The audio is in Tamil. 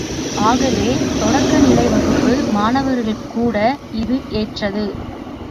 ஆகவே, தொடக்கநிலை வகுப்பு மாணவர்களுக்குக்கூட இது ஏற்றது.